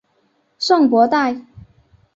圣博代。